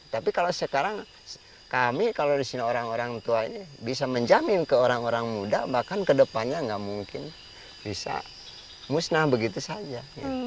tapi kalau sekarang kami kalau di sini orang orang tua ini bisa menjamin ke orang orang muda bahkan kedepannya nggak mungkin bisa musnah begitu saja